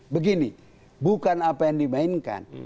begini bukan apa yang dimainkan